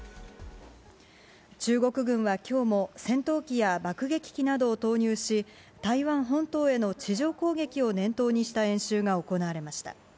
中国軍はきょうも戦闘機や爆撃機などを投入し、台湾本島への地上攻撃を念頭にした演習が行われました。